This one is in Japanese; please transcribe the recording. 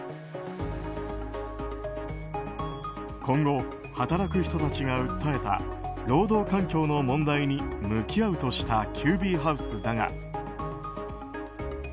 今後、働く人たちが訴えた労働環境の問題に向き合うとした